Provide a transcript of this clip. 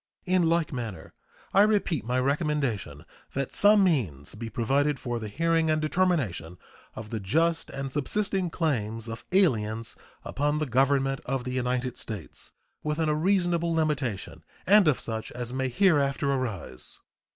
In like manner I repeat my recommendation that some means be provided for the hearing and determination of the just and subsisting claims of aliens upon the Government of the United States within a reasonable limitation, and of such as may hereafter arise.